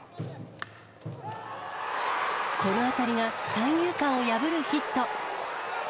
この当たりが三遊間を破るヒット。